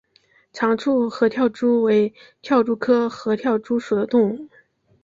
长触合跳蛛为跳蛛科合跳蛛属的动物。